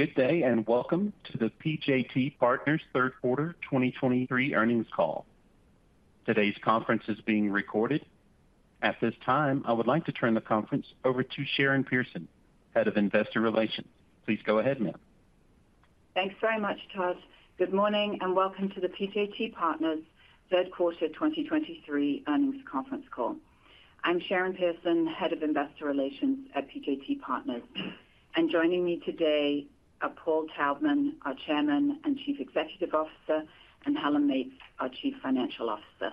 Good day, and welcome to the PJT Partners Third Quarter 2023 Earnings Call. Today's conference is being recorded. At this time, I would like to turn the conference over to Sharon Pearson, Head of Investor Relations. Please go ahead, ma'am. Thanks very much, Todd. Good morning, and welcome to the PJT Partners Third Quarter 2023 Earnings Conference Call. I'm Sharon Pearson, Head of Investor Relations at PJT Partners, and joining me today are Paul Taubman, our Chairman and Chief Executive Officer, and Helen Meates, our Chief Financial Officer.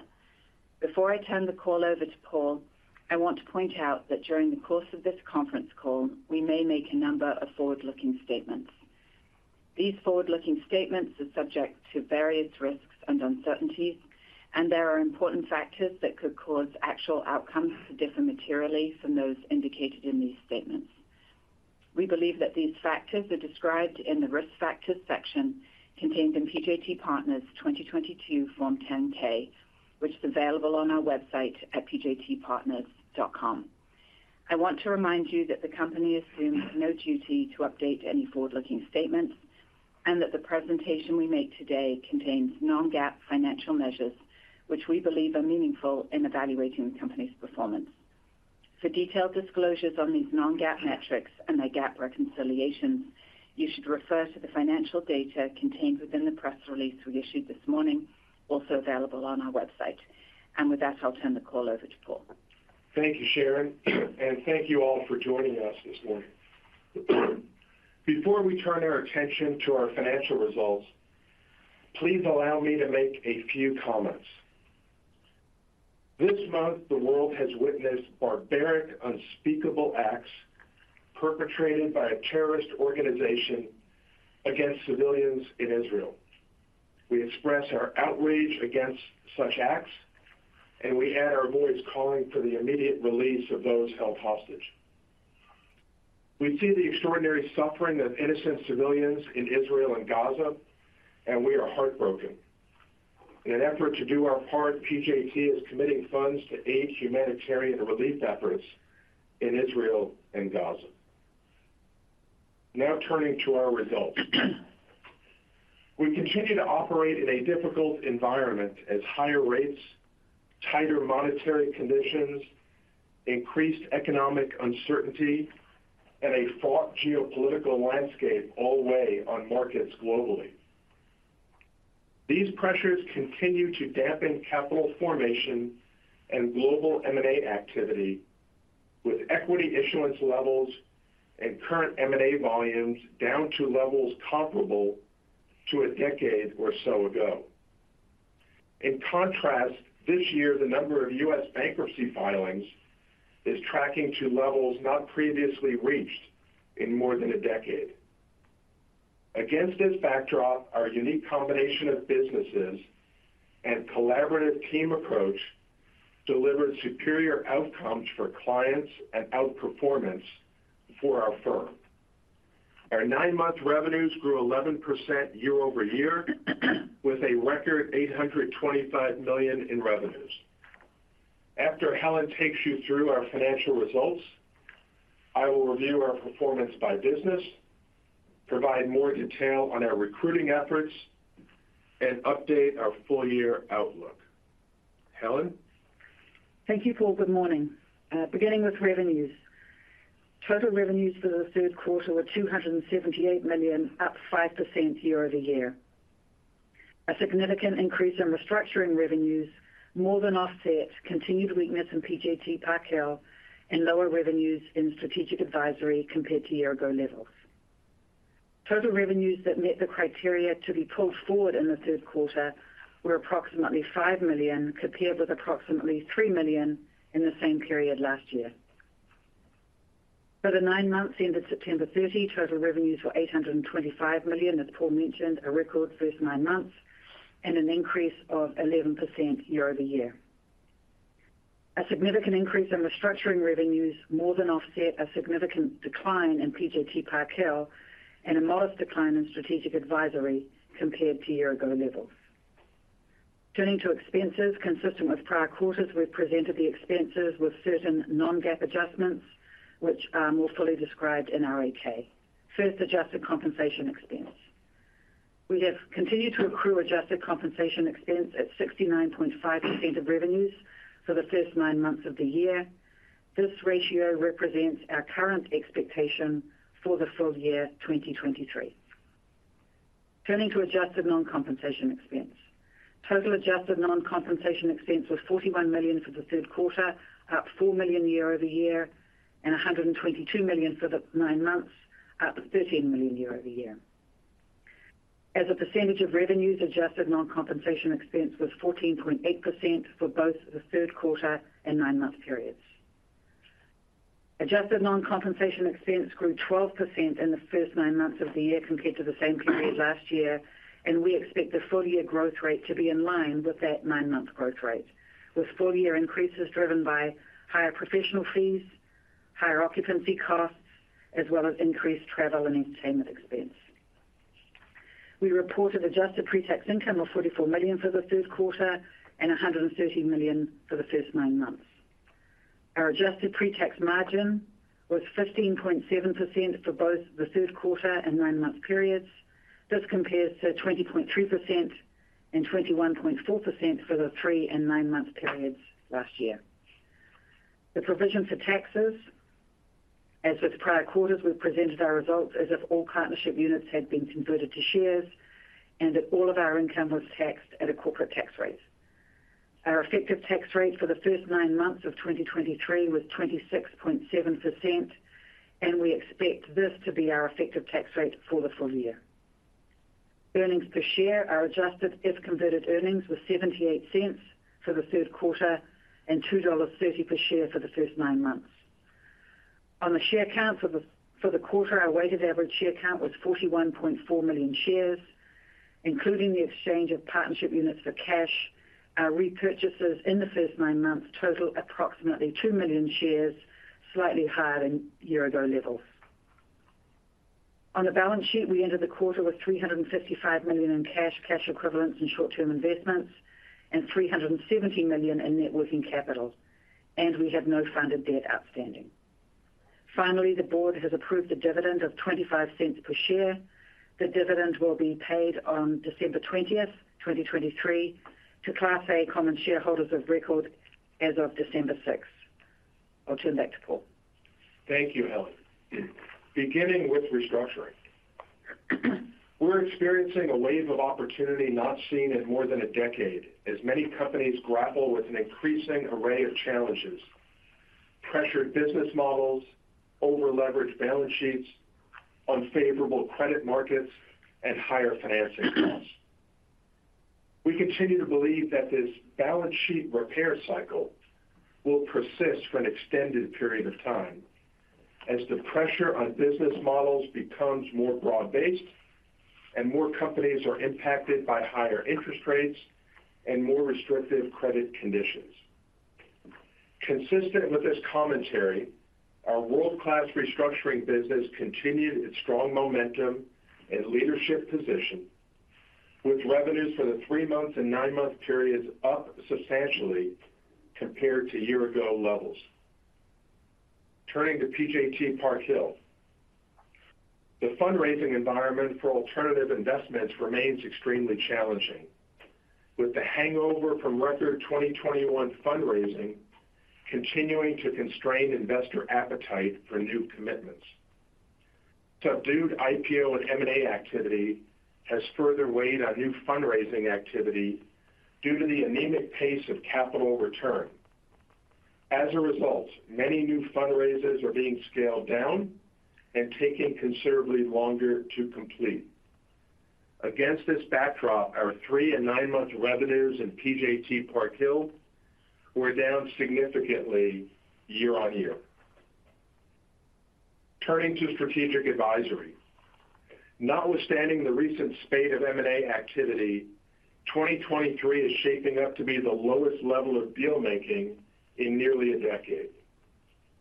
Before I turn the call over to Paul, I want to point out that during the course of this conference call, we may make a number of forward-looking statements. These forward-looking statements are subject to various risks and uncertainties, and there are important factors that could cause actual outcomes to differ materially from those indicated in these statements. We believe that these factors are described in the Risk Factors section contained in PJT Partners' 2022 Form 10-K, which is available on our website at pjtpartners.com. I want to remind you that the company assumes no duty to update any forward-looking statements, and that the presentation we make today contains non-GAAP financial measures, which we believe are meaningful in evaluating the company's performance. For detailed disclosures on these non-GAAP metrics and their GAAP reconciliations, you should refer to the financial data contained within the press release we issued this morning, also available on our website. With that, I'll turn the call over to Paul. Thank you, Sharon, and thank you all for joining us this morning. Before we turn our attention to our financial results, please allow me to make a few comments. This month, the world has witnessed barbaric, unspeakable acts perpetrated by a terrorist organization against civilians in Israel. We express our outrage against such acts, and we add our voice calling for the immediate release of those held hostage. We see the extraordinary suffering of innocent civilians in Israel and Gaza, and we are heartbroken. In an effort to do our part, PJT is committing funds to aid humanitarian relief efforts in Israel and Gaza. Now turning to our results. We continue to operate in a difficult environment as higher rates, tighter monetary conditions, increased economic uncertainty, and a fraught geopolitical landscape all weigh on markets globally. These pressures continue to dampen capital formation and global M&A activity, with equity issuance levels and current M&A volumes down to levels comparable to a decade or so ago. In contrast, this year, the number of U.S. bankruptcy filings is tracking to levels not previously reached in more than a decade. Against this backdrop, our unique combination of businesses and collaborative team approach delivered superior outcomes for clients and outperformance for our firm. Our nine-month revenues grew 11% year-over-year, with a record $825 million in revenues. After Helen takes you through our financial results, I will review our performance by business, provide more detail on our recruiting efforts, and update our full-year outlook. Helen? Thank you, Paul. Good morning. Beginning with revenues. Total revenues for the third quarter were $278 million, up 5% year-over-year. A significant increase in Restructuring revenues more than offset continued weakness in PJT Camberview and lower revenues in strategic advisory compared to year-ago levels. Total revenues that met the criteria to be pulled forward in the third quarter were approximately $5 million, compared with approximately $3 million in the same period last year. For the nine months ended September 30, total revenues were $825 million, as Paul mentioned, a record first nine months, and an increase of 11% year-over-year. A significant increase in Restructuring revenues more than offset a significant decline in PJT Camberview and a modest decline in strategic advisory compared to year-ago levels. Turning to expenses. Consistent with prior quarters, we've presented the expenses with certain non-GAAP adjustments, which are more fully described in our 8-K. First, Adjusted Compensation Expense. We have continued to accrue Adjusted Compensation Expense at 69.5% of revenues for the first nine months of the year. This ratio represents our current expectation for the full year 2023. Turning to Adjusted Non-Compensation Expense. Total Adjusted Non-Compensation Expense was $41 million for the third quarter, up $4 million year-over-year, and $122 million for the nine months, up $13 million year-over-year. As a percentage of revenues, Adjusted Non-Compensation Expense was 14.8% for both the third quarter and nine-month periods. Adjusted Non-Compensation Expense grew 12% in the first nine months of the year compared to the same period last year, and we expect the full-year growth rate to be in line with that nine-month growth rate, with full-year increases driven by higher professional fees, higher occupancy costs, as well as increased travel and entertainment expense. We reported adjusted pretax income of $44 million for the third quarter and $113 million for the first nine months. Our adjusted pretax margin was 15.7% for both the third quarter and nine-month periods. This compares to 20.3% and 21.4% for the three and nine-month periods last year. The provision for taxes, as with prior quarters, we've presented our results as if all partnership units had been converted to shares, and that all of our income was taxed at a corporate tax rate. Our effective tax rate for the first nine months of 2023 was 26.7%, and we expect this to be our effective tax rate for the full year. Earnings per share, our Adjusted If-Converted Earnings, were $0.78 for the third quarter and $2.30 per share for the first nine months. On the share count for the quarter, our weighted average share count was 41.4 million shares, including the exchange of partnership units for cash. Our repurchases in the first nine months total approximately 2 million shares, slightly higher than year-ago levels. On the balance sheet, we ended the quarter with $355 million in cash, cash equivalents, and short-term investments, and $370 million in net working capital, and we have no funded debt outstanding. Finally, the board has approved a dividend of $0.25 per share. The dividend will be paid on December 20, 2023, to Class A Common Shareholders of record as of December 6. I'll turn back to Paul. Thank you, Helen. Beginning with Restructuring. We're experiencing a wave of opportunity not seen in more than a decade, as many companies grapple with an increasing array of challenges, pressured business models, over-leveraged balance sheets, unfavorable credit markets, and higher financing costs. We continue to believe that this balance sheet repair cycle will persist for an extended period of time as the pressure on business models becomes more broad-based and more companies are impacted by higher interest rates and more restrictive credit conditions. Consistent with this commentary, our world-class Restructuring business continued its strong momentum and leadership position, with revenues for the three-month and nine-month periods up substantially compared to year-ago levels. Turning to PJT Park Hill. The fundraising environment for alternative investments remains extremely challenging, with the hangover from record 2021 fundraising continuing to constrain investor appetite for new commitments. Subdued IPO and M&A activity has further weighed on new fundraising activity due to the anemic pace of capital return. As a result, many new fundraisers are being scaled down and taking considerably longer to complete. Against this backdrop, our three- and nine-month revenues in PJT Park Hill were down significantly year-on-year. Turning to Strategic Advisory. Notwithstanding the recent spate of M&A activity, 2023 is shaping up to be the lowest level of deal making in nearly a decade.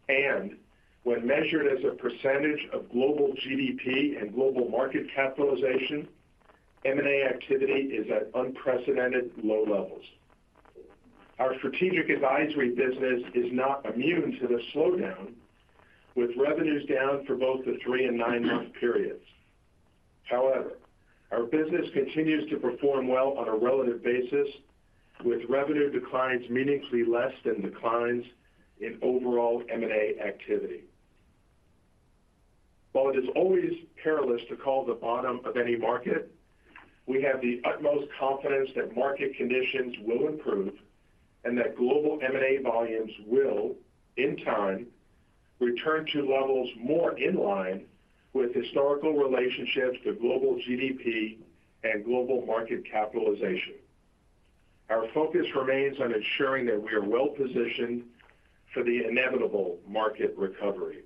And when measured as a percentage of global GDP and global market capitalization, M&A activity is at unprecedented low levels. Our Strategic Advisory business is not immune to the slowdown, with revenues down for both the three- and nine-month periods. However, our business continues to perform well on a relative basis, with revenue declines meaningfully less than declines in overall M&A activity. While it is always perilous to call the bottom of any market, we have the utmost confidence that market conditions will improve and that global M&A volumes will, in time, return to levels more in line with historical relationships to global GDP and global market capitalization. Our focus remains on ensuring that we are well positioned for the inevitable market recovery.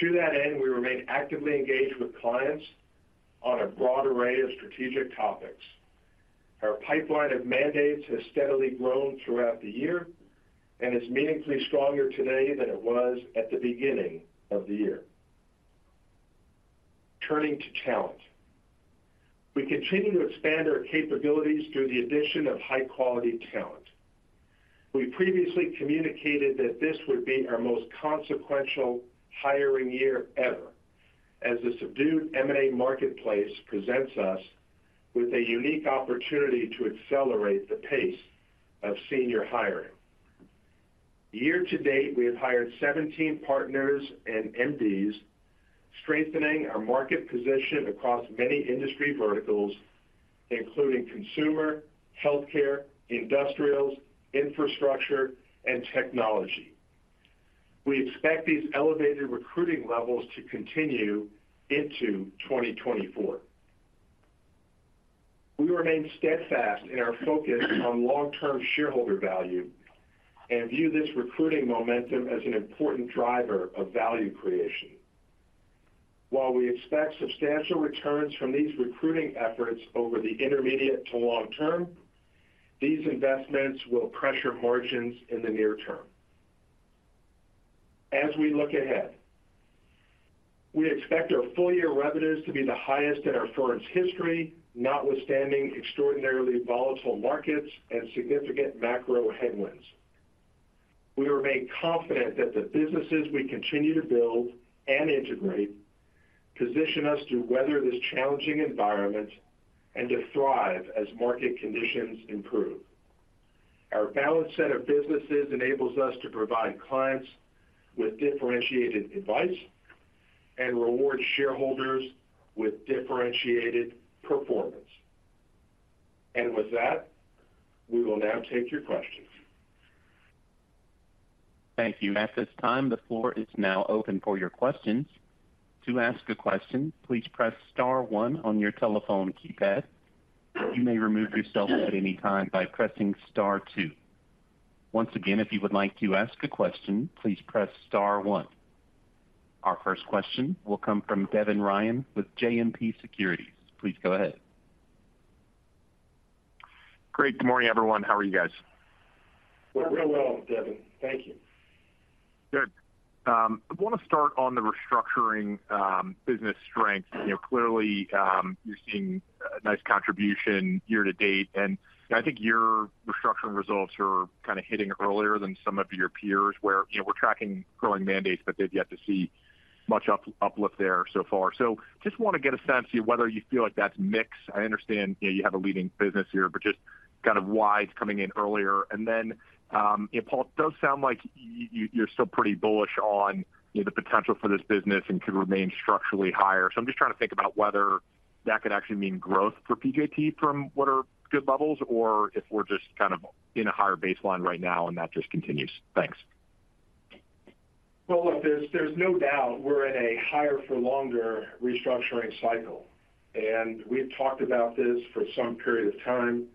To that end, we remain actively engaged with clients on a broad array of strategic topics. Our pipeline of mandates has steadily grown throughout the year and is meaningfully stronger today than it was at the beginning of the year. Turning to talent. We continue to expand our capabilities through the addition of high-quality talent. We previously communicated that this would be our most consequential hiring year ever, as the subdued M&A marketplace presents us with a unique opportunity to accelerate the pace of senior hiring. Year-to-date, we have hired 17 partners and MDs, strengthening our market position across many industry verticals, including consumer, healthcare, industrials, infrastructure, and technology. We expect these elevated recruiting levels to continue into 2024. We remain steadfast in our focus on long-term shareholder value and view this recruiting momentum as an important driver of value creation. While we expect substantial returns from these recruiting efforts over the intermediate to long term, these investments will pressure margins in the near term. As we look ahead, we expect our full-year revenues to be the highest in our firm's history, notwithstanding extraordinarily volatile markets and significant macro headwinds. We remain confident that the businesses we continue to build and integrate position us to weather this challenging environment and to thrive as market conditions improve. Our balanced set of businesses enables us to provide clients with differentiated advice and reward shareholders with differentiated performance. With that, we will now take your questions. Thank you. At this time, the floor is now open for your questions. To ask a question, please press star one on your telephone keypad. You may remove yourself at any time by pressing star two. Once again, if you would like to ask a question, please press star one. Our first question will come from Devin Ryan with JMP Securities. Please go ahead. Great. Good morning, everyone. How are you guys? We're really well, Devin. Thank you. Good. I want to start on the Restructuring business strength. You know, clearly, you're seeing a nice contribution year-to-date, and I think your Restructuring results are kind of hitting earlier than some of your peers, where, you know, we're tracking growing mandates, but they've yet to see much uplift there so far. So just want to get a sense of whether you feel like that's mixed. I understand, you know, you have a leading business here, but just kind of why it's coming in earlier. And then, you know, Paul, it does sound like you, you're still pretty bullish on, you know, the potential for this business and could remain structurally higher. So I'm just trying to think about whether that could actually mean growth for PJT from what are good levels, or if we're just kind of in a higher baseline right now, and that just continues. Thanks. Well, look, there's no doubt we're in a higher for longer Restructuring cycle, and we've talked about this for some period of time.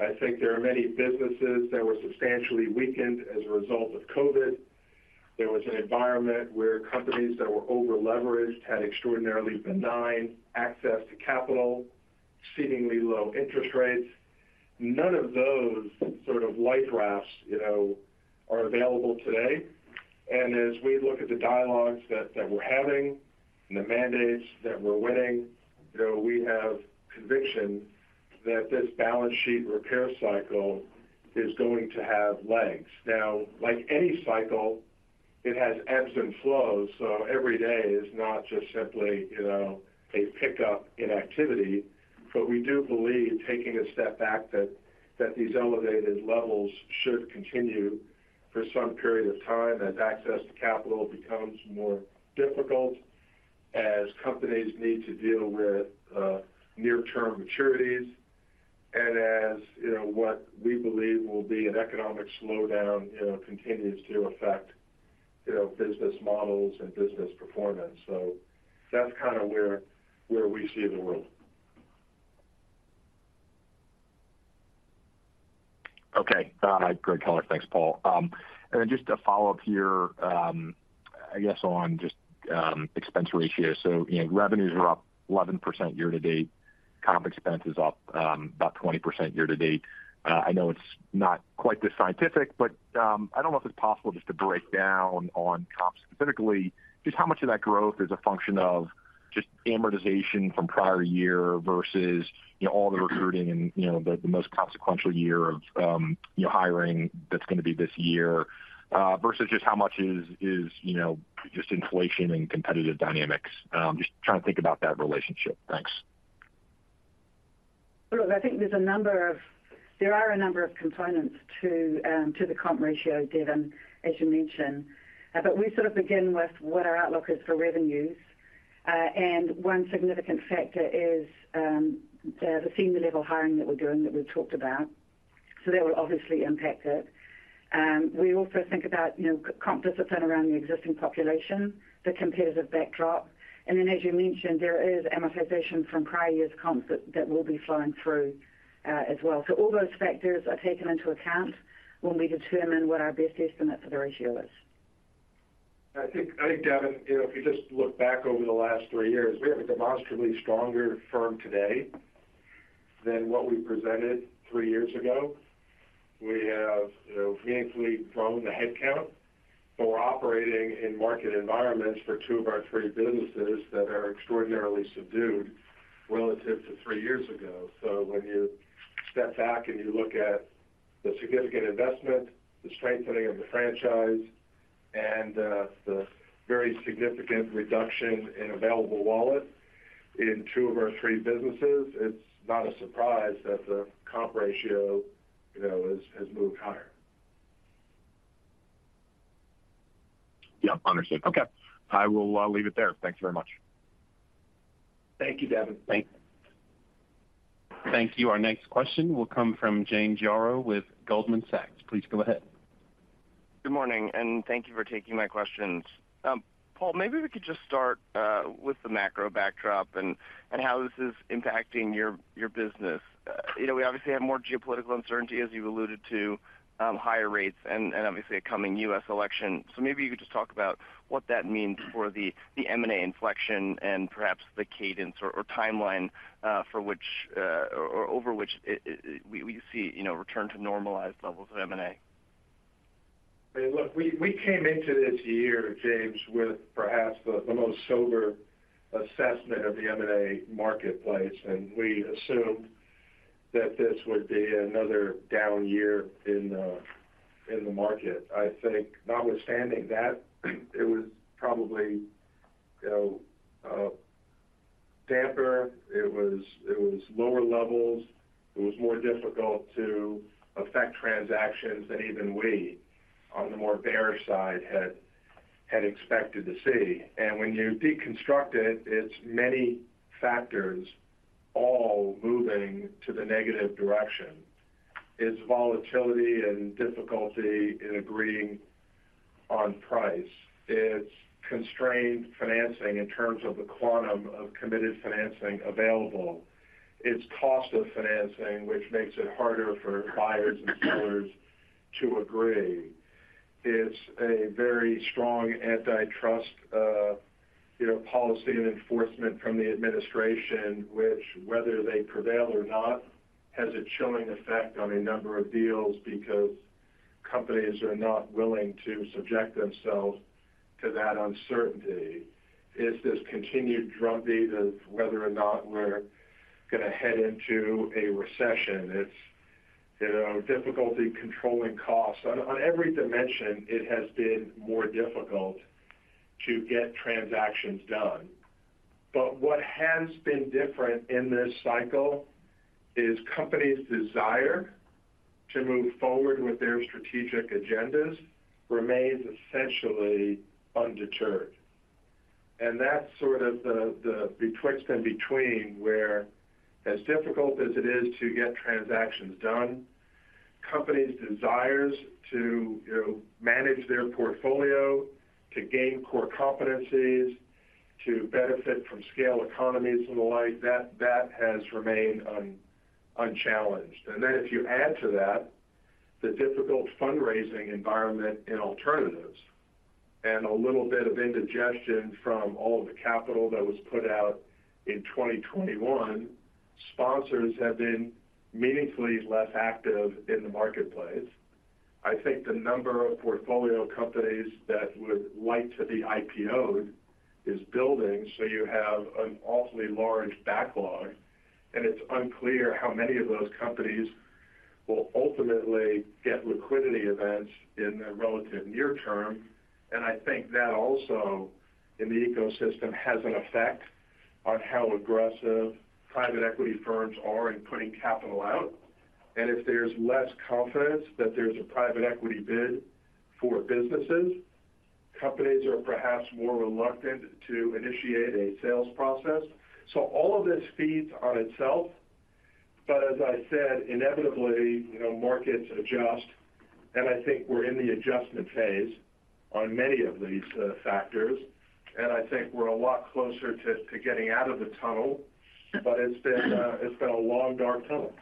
I think there are many businesses that were substantially weakened as a result of COVID. There was an environment where companies that were overleveraged had extraordinarily benign access to capital, exceedingly low interest rates. None of those sort of life rafts, you know, are available today. And as we look at the dialogues that we're having and the mandates that we're winning, you know, we have conviction that this balance sheet repair cycle is going to have legs. Now, like any cycle, it has ebbs and flows, so every day is not just simply, you know, a pickup in activity. But we do believe, taking a step back, that these elevated levels should continue for some period of time as access to capital becomes more difficult, as companies need to deal with near-term maturities, and as, you know, what we believe will be an economic slowdown, you know, continues to affect, you know, business models and business performance. So that's kind of where we see the world. Okay. Great color. Thanks, Paul. Then just a follow-up here, I guess on just expense ratios. So, you know, revenues are up 11% year-to-date. Compensation Expense is up about 20% year-to-date. I know it's not quite this scientific, but, I don't know if it's possible just to break down on comp specifically, just how much of that growth is a function of just amortization from prior year versus, you know, all the recruiting and, you know, the most consequential year of, you know, hiring that's going to be this year, versus just how much is, you know, just inflation and competitive dynamics? Just trying to think about that relationship. Thanks. Look, I think there are a number of components to the comp ratio, Devin, as you mentioned. But we sort of begin with what our outlook is for revenues. And one significant factor is the senior level hiring that we're doing, that we've talked about. So that will obviously impact it. We also think about, you know, comp discipline around the existing population, the competitive backdrop. And then, as you mentioned, there is amortization from prior years' comps that will be flowing through, as well. So all those factors are taken into account when we determine what our best estimate for the ratio is. I think, Devin, you know, if you just look back over the last three years, we have a demonstrably stronger firm today than what we presented three years ago. We have, you know, meaningfully grown the headcount, but we're operating in market environments for two of our three businesses that are extraordinarily subdued relative to three years ago. So when you step back and you look at the significant investment, the strengthening of the franchise, and the very significant reduction in available wallet in two of our three businesses, it's not a surprise that the comp ratio, you know, has moved higher. Yeah, understood. Okay. I will leave it there. Thanks very much. Thank you, Devin. Thanks. Thank you. Our next question will come from James Yaro with Goldman Sachs. Please go ahead. Good morning, and thank you for taking my questions. Paul, maybe we could just start with the macro backdrop and how this is impacting your business. You know, we obviously have more geopolitical uncertainty, as you alluded to, higher rates and obviously a coming U.S. election. So maybe you could just talk about what that means for the M&A inflection and perhaps the cadence or timeline for which or over which we see, you know, return to normalized levels of M&A?... I mean, look, we came into this year, James, with perhaps the most sober assessment of the M&A marketplace, and we assumed that this would be another down year in the market. I think notwithstanding that, it was probably, you know, damper. It was lower levels. It was more difficult to affect transactions than even we, on the more bearish side, had expected to see. And when you deconstruct it, it's many factors all moving to the negative direction. It's volatility and difficulty in agreeing on price. It's constrained financing in terms of the quantum of committed financing available. It's cost of financing, which makes it harder for buyers and sellers to agree. It's a very strong antitrust, you know, policy and enforcement from the administration, which, whether they prevail or not, has a chilling effect on a number of deals because companies are not willing to subject themselves to that uncertainty. It's this continued drumbeat of whether or not we're gonna head into a recession. It's, you know, difficulty controlling costs. On, on every dimension, it has been more difficult to get transactions done. But what has been different in this cycle is companies' desire to move forward with their strategic agendas remains essentially undeterred. And that's sort of the, the betwixt and between, where as difficult as it is to get transactions done, companies' desires to, you know, manage their portfolio, to gain core competencies, to benefit from scale economies and the like, that, that has remained unchallenged. Then if you add to that, the difficult fundraising environment in alternatives and a little bit of indigestion from all of the capital that was put out in 2021, sponsors have been meaningfully less active in the marketplace. I think the number of portfolio companies that would like to be IPO'd is building, so you have an awfully large backlog, and it's unclear how many of those companies will ultimately get liquidity events in the relative near term. I think that also, in the ecosystem, has an effect on how aggressive private equity firms are in putting capital out. If there's less confidence that there's a private equity bid for businesses, companies are perhaps more reluctant to initiate a sales process. All of this feeds on itself. But as I said, inevitably, you know, markets adjust, and I think we're in the adjustment phase on many of these, factors. And I think we're a lot closer to getting out of the tunnel, but it's been, it's been a long, dark tunnel.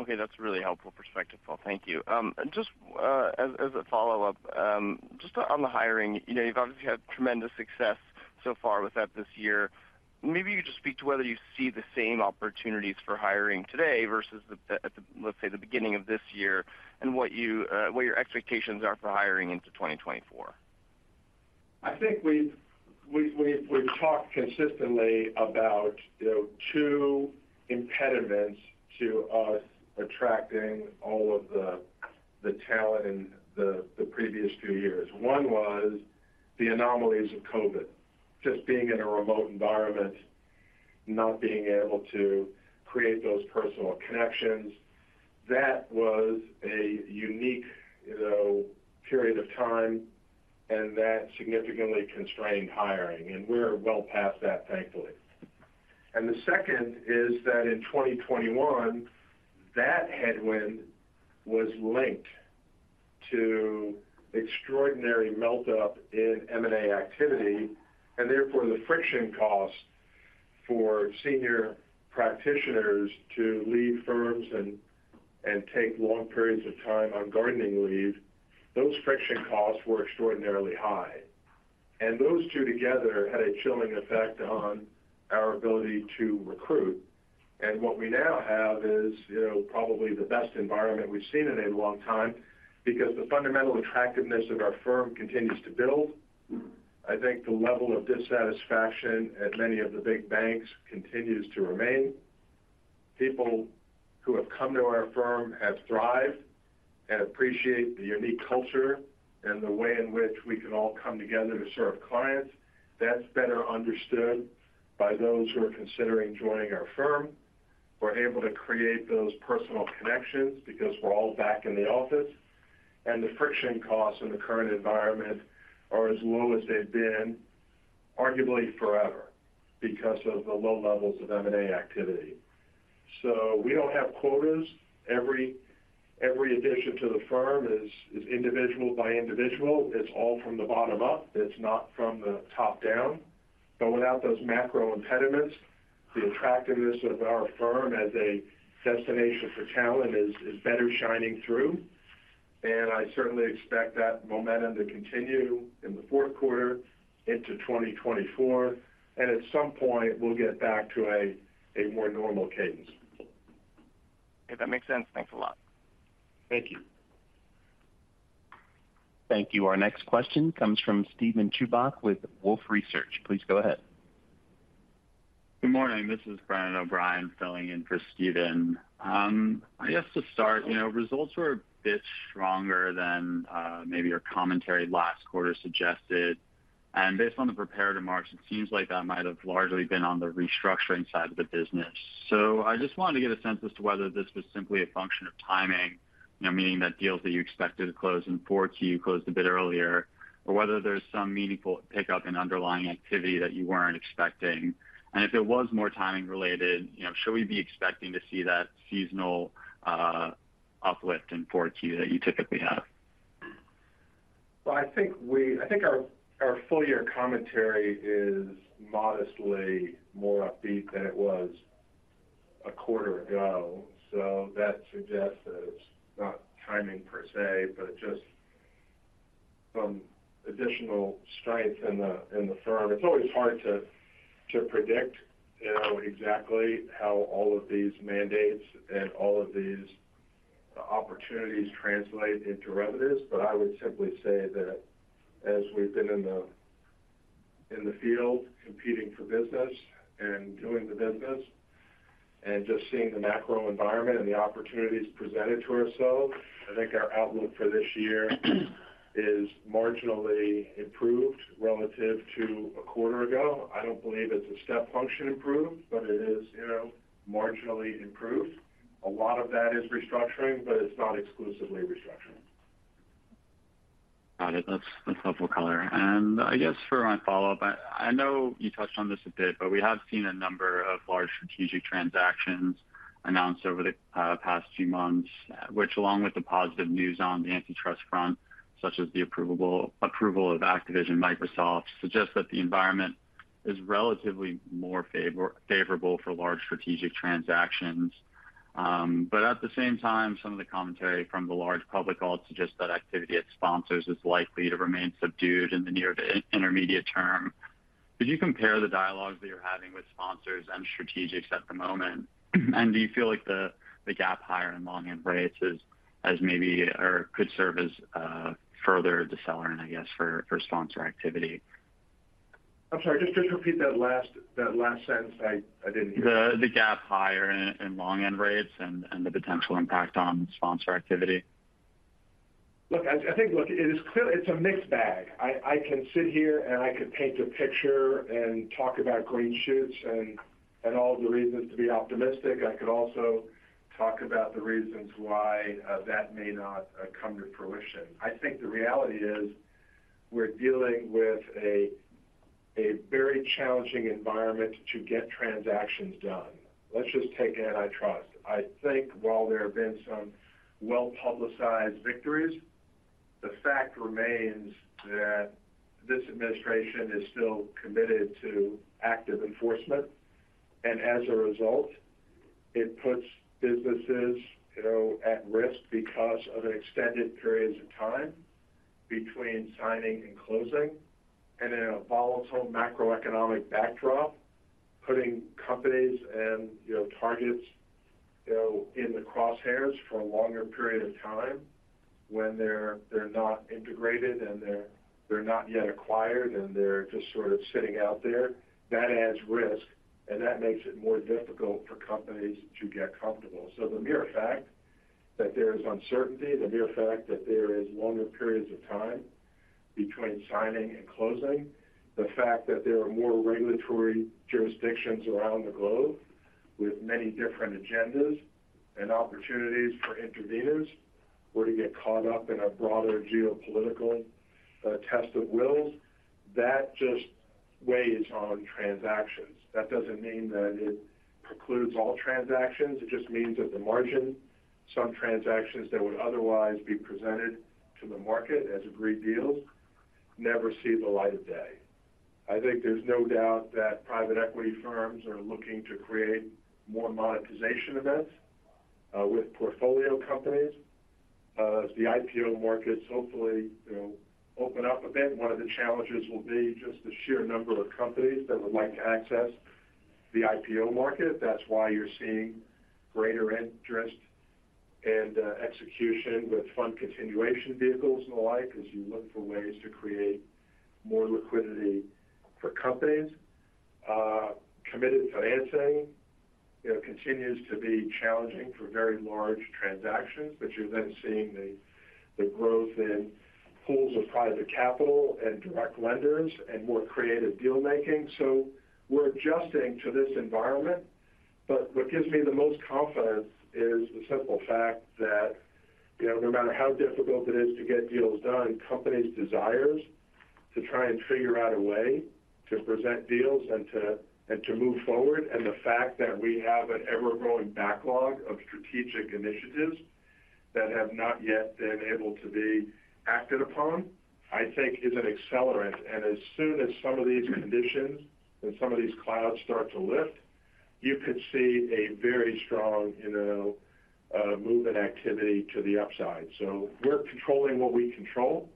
Okay, that's a really helpful perspective, Paul. Thank you. And just as a follow-up, just on the hiring, you know, you've obviously had tremendous success so far with that this year. Maybe you could just speak to whether you see the same opportunities for hiring today versus the at the beginning of this year, and what your expectations are for hiring into 2024. I think we've talked consistently about, you know, two impediments to us attracting all of the talent in the previous two years. One was the anomalies of COVID. Just being in a remote environment, not being able to create those personal connections. That was a unique, you know, period of time, and that significantly constrained hiring, and we're well past that, thankfully. And the second is that in 2021, that headwind was linked to extraordinary melt up in M&A activity, and therefore, the friction cost for senior practitioners to leave firms and take long periods of time on gardening leave, those friction costs were extraordinarily high. And those two together had a chilling effect on our ability to recruit. What we now have is, you know, probably the best environment we've seen in a long time because the fundamental attractiveness of our firm continues to build. I think the level of dissatisfaction at many of the big banks continues to remain. People who have come to our firm have thrived and appreciate the unique culture and the way in which we can all come together to serve clients. That's better understood by those who are considering joining our firm. We're able to create those personal connections because we're all back in the office, and the friction costs in the current environment are as low as they've been, arguably forever, because of the low levels of M&A activity. So we don't have quotas. Every addition to the firm is individual by individual. It's all from the bottom up. It's not from the top down. But without those macro impediments, the attractiveness of our firm as a destination for talent is better shining through. And I certainly expect that momentum to continue in the fourth quarter into 2024, and at some point, we'll get back to a more normal cadence. If that makes sense. Thanks a lot. Thank you. Thank you. Our next question comes from Steven Chubak with Wolfe Research. Please go ahead. Good morning. This is Brendan O'Brien, filling in for Steven. I guess to start, you know, results were a bit stronger than maybe your commentary last quarter suggested. Based on the prepared remarks, it seems like that might have largely been on the Restructuring side of the business. So I just wanted to get a sense as to whether this was simply a function of timing, you know, meaning that deals that you expected to close in 4Q closed a bit earlier, or whether there's some meaningful pickup in underlying activity that you weren't expecting. And if it was more timing related, you know, should we be expecting to see that seasonal uplift in 4Q that you typically have? Well, I think our full year commentary is modestly more upbeat than it was a quarter ago. So that suggests that it's not timing per se, but just some additional strength in the firm. It's always hard to predict, you know, exactly how all of these mandates and all of these opportunities translate into revenues. But I would simply say that as we've been in the field competing for business and doing the business and just seeing the macro environment and the opportunities presented to ourselves, I think our outlook for this year is marginally improved relative to a quarter ago. I don't believe it's a step function improved, but it is, you know, marginally improved. A lot of that is Restructuring, but it's not exclusively Restructuring. Got it. That's helpful color. And I guess for my follow-up, I know you touched on this a bit, but we have seen a number of large strategic transactions announced over the past few months, which, along with the positive news on the antitrust front, such as the approval of Activision, Microsoft, suggests that the environment is relatively more favorable for large strategic transactions. But at the same time, some of the commentary from the large public calls suggest that activity at sponsors is likely to remain subdued in the near- to intermediate-term. Could you compare the dialogues that you're having with sponsors and strategics at the moment? And do you feel like the gap higher in long-end rates is as maybe or could serve as further decelerant, I guess, for sponsor activity? I'm sorry, just repeat that last sentence. I didn't hear. The gap higher in long end rates and the potential impact on sponsor activity. Look, I think it is clear it's a mixed bag. I can sit here and I could paint a picture and talk about green shoots and all the reasons to be optimistic. I could also talk about the reasons why that may not come to fruition. I think the reality is, we're dealing with a very challenging environment to get transactions done. Let's just take antitrust. I think while there have been some well-publicized victories, the fact remains that this administration is still committed to active enforcement, and as a result, it puts businesses, you know, at risk because of extended periods of time between signing and closing. In a volatile macroeconomic backdrop, putting companies and, you know, targets, you know, in the crosshairs for a longer period of time when they're not integrated and they're not yet acquired and they're just sort of sitting out there, that adds risk, and that makes it more difficult for companies to get comfortable. So the mere fact that there is uncertainty, the mere fact that there is longer periods of time between signing and closing, the fact that there are more regulatory jurisdictions around the globe with many different agendas and opportunities for interveners, or to get caught up in a broader geopolitical test of wills, that just weighs on transactions. That doesn't mean that it precludes all transactions. It just means at the margin, some transactions that would otherwise be presented to the market as agreed deals never see the light of day. I think there's no doubt that private equity firms are looking to create more monetization events with portfolio companies. As the IPO markets hopefully, you know, open up a bit, one of the challenges will be just the sheer number of companies that would like to access the IPO market. That's why you're seeing greater interest and execution with fund continuation vehicles and the like, as you look for ways to create more liquidity for companies. Committed financing, you know, continues to be challenging for very large transactions, but you're then seeing the growth in pools of private capital and direct lenders and more creative deal-making. We're adjusting to this environment, but what gives me the most confidence is the simple fact that, you know, no matter how difficult it is to get deals done, companies' desires to try and figure out a way to present deals and to move forward, and the fact that we have an ever-growing backlog of strategic initiatives that have not yet been able to be acted upon, I think is an accelerant. As soon as some of these conditions and some of these clouds start to lift, you could see a very strong, you know, movement activity to the upside. We're controlling what we control,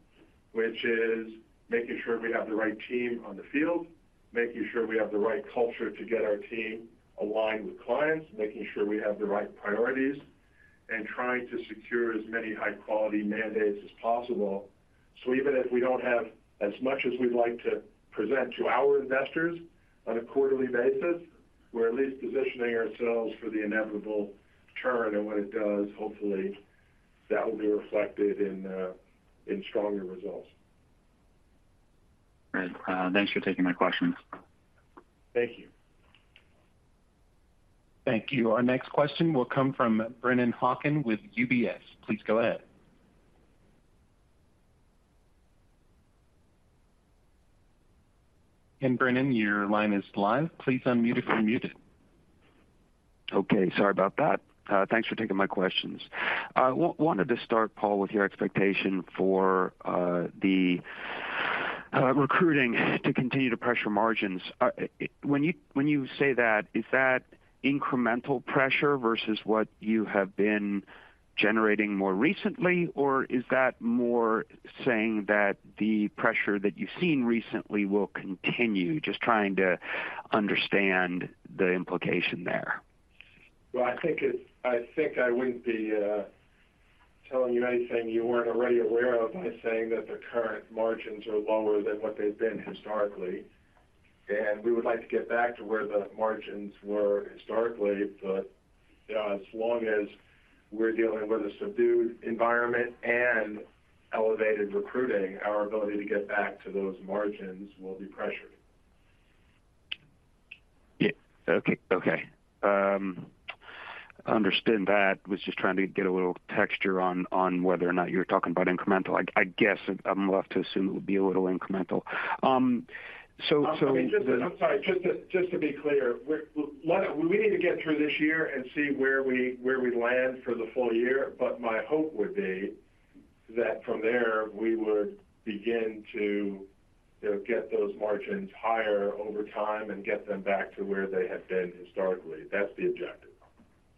which is making sure we have the right team on the field. Making sure we have the right culture to get our team aligned with clients, making sure we have the right priorities, and trying to secure as many high-quality mandates as possible. So even if we don't have as much as we'd like to present to our investors on a quarterly basis, we're at least positioning ourselves for the inevitable turn, and when it does, hopefully, that will be reflected in, in stronger results. Great. Thanks for taking my questions. Thank you. Thank you. Our next question will come from Brennan Hawken with UBS. Please go ahead. And Brennan, your line is live. Please unmute if you're muted. Okay, sorry about that. Thanks for taking my questions. I wanted to start, Paul, with your expectation for the recruiting to continue to pressure margins. When you say that, is that incremental pressure versus what you have been generating more recently? Or is that more saying that the pressure that you've seen recently will continue? Just trying to understand the implication there. Well, I think I wouldn't be telling you anything you weren't already aware of by saying that the current margins are lower than what they've been historically. And we would like to get back to where the margins were historically, but as long as we're dealing with a subdued environment and elevated recruiting, our ability to get back to those margins will be pressured. Yeah. Okay. Okay. Understood that. Was just trying to get a little texture on whether or not you're talking about incremental. I guess I'm left to assume it would be a little incremental. So, so- I mean, just to be clear, we need to get through this year and see where we land for the full year, but my hope would be that from there, we would begin to, you know, get those margins higher over time and get them back to where they had been historically. That's the objective,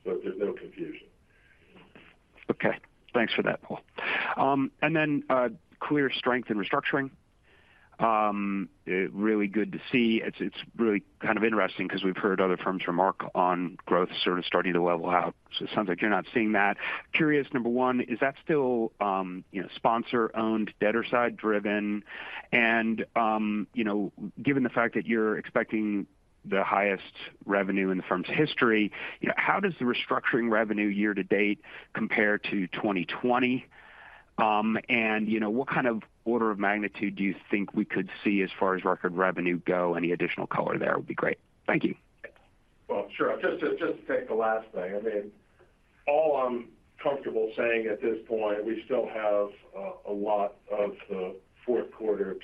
so there's no confusion. Okay. Thanks for that, Paul. And then, clear strength in Restructuring. It's really good to see. It's really kind of interesting because we've heard other firms remark on growth sort of starting to level out, so it sounds like you're not seeing that. Curious, number one, is that still, you know, sponsor-owned, debtor-side driven? And, you know, given the fact that you're expecting the highest revenue in the firm's history, you know, how does the Restructuring revenue year-to-date compare to 2020? And, you know, what kind of order of magnitude do you think we could see as far as record revenue go? Any additional color there would be great. Thank you. Well, sure. Just to take the last thing, I mean, all I'm comfortable saying at this point, we still have a lot of the fourth quarter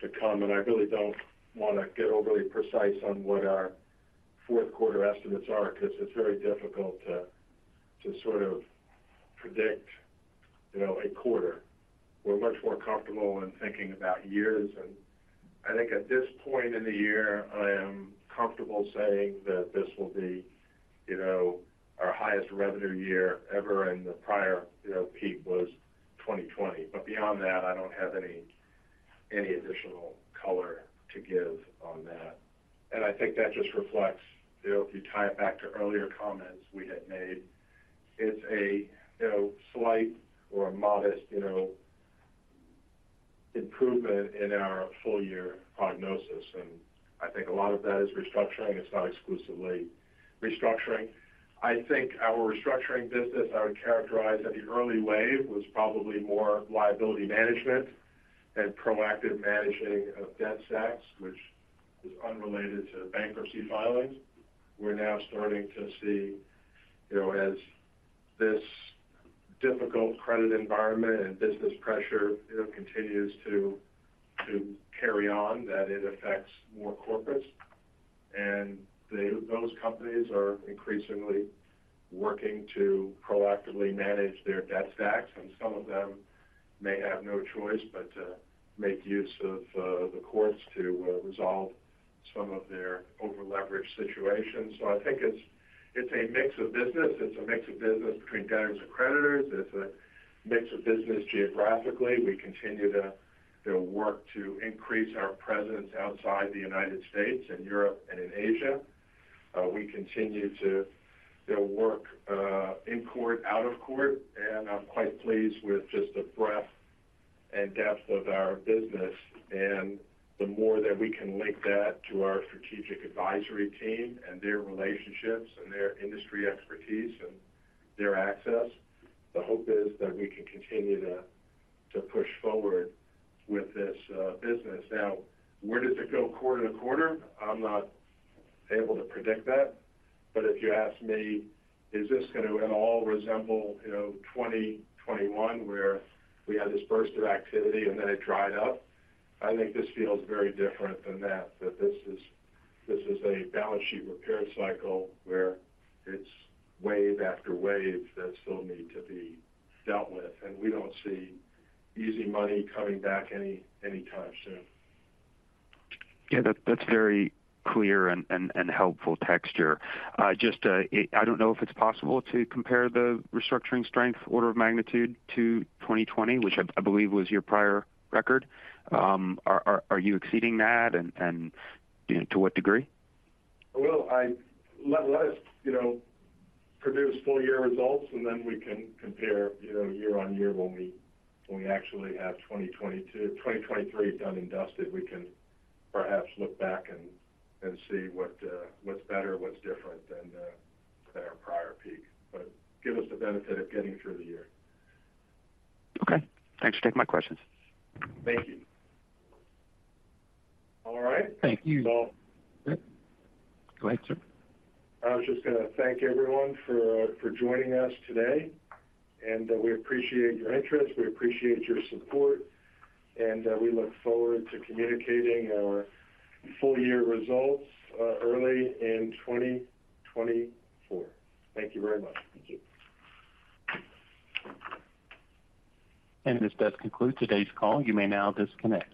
to come, and I really don't want to get overly precise on what our fourth quarter estimates are because it's very difficult to sort of predict, you know, a quarter. We're much more comfortable in thinking about years. I think at this point in the year, I am comfortable saying that this will be, you know, our highest revenue year ever, and the prior, you know, peak was 2020. But beyond that, I don't have any additional color to give on that. And I think that just reflects, you know, if you tie it back to earlier comments we had made, it's a, you know, slight or modest, you know, improvement in our full year prognosis, and I think a lot of that is Restructuring. It's not exclusively Restructuring. I think our Restructuring business, I would characterize that the early wave was probably more liability management than proactive managing of debt stacks, which is unrelated to bankruptcy filings. We're now starting to see, you know, as this difficult credit environment and business pressure, you know, continues to carry on, that it affects more corporates. And the, those companies are increasingly working to proactively manage their debt stacks, and some of them may have no choice but to make use of the courts to resolve some of their overleveraged situations. So I think it's a mix of business. It's a mix of business between debtors and creditors. It's a mix of business geographically. We continue to work to increase our presence outside the U.S., in Europe and in Asia. We continue to work in court, out of court, and I'm quite pleased with just the breadth and depth of our business. And the more that we can link that to our Strategic Advisory team and their relationships and their industry expertise and their access, the hope is that we can continue to push forward with this business. Now, where does it go quarter to quarter? I'm not able to predict that. But if you ask me, is this going to at all resemble, you know, 2021, where we had this burst of activity and then it dried up? I think this feels very different than that, that this is, this is a balance sheet repair cycle where it's wave after wave that still need to be dealt with, and we don't see easy money coming back any, anytime soon. Yeah, that's very clear and helpful texture. Just, I don't know if it's possible to compare the Restructuring strength order of magnitude to 2020, which I believe was your prior record. Are you exceeding that? And, you know, to what degree? Well, let us, you know, produce full year results, and then we can compare, you know, year-on-year when we actually have 2022-2023 done and dusted. We can perhaps look back and see what's better, what's different than our prior peak. But give us the benefit of getting through the year. Okay. Thanks for taking my questions. Thank you. All right. Thank you. So- Go ahead, sir. I was just going to thank everyone for joining us today, and we appreciate your interest, we appreciate your support, and we look forward to communicating our full year results early in 2024. Thank you very much. Thank you. This does conclude today's call. You may now disconnect.